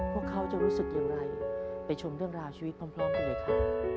พวกเขาจะรู้สึกอย่างไรไปชมเรื่องราวชีวิตพร้อมกันเลยครับ